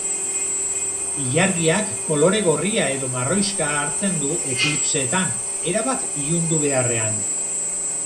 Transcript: Ilargiak kolore gorria edo marroixka hartzen du eklipseetan, erabat ilundu beharrean.